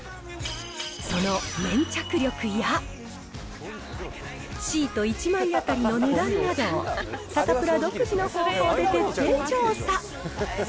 その粘着力や、シート１枚当たりの値段などをサタプラ独自の方法で徹底調査。